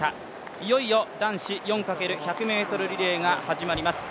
いよいよ男子４×１００ｍリレーが始まります。